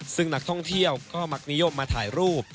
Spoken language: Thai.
ซึ่งนักท่องเที่ยวก็มักนิยมมาถ่ายรูป